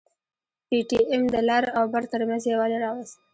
پي ټي ايم د لر او بر ترمنځ يووالي راوست.